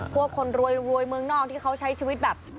คนรวยเมืองนอกที่เขาใช้ชีวิตแบบ